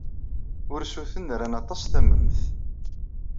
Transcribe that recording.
Ursuten ran aṭas tamemt.